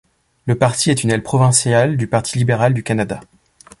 Le parti est une aile provinciale du Parti libéral du Canada.